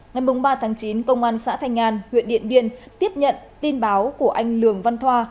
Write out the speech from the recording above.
ngày ba tháng chín công an xã thanh an huyện điện biên tiếp nhận tin báo của anh lường văn thoa